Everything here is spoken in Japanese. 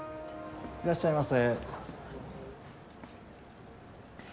いらっしゃいませ。